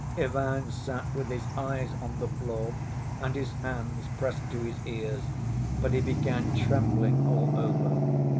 Ivan sat with his eyes on the floor, and his hands pressed to his ears, but he began trembling all over.